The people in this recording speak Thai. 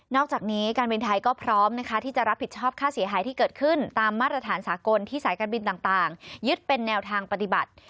อกจากนี้การบินไทยก็พร้อมนะคะที่จะรับผิดชอบค่าเสียหายที่เกิดขึ้นตามมาตรฐานสากลที่สายการบินต่างยึดเป็นแนวทางปฏิบัติ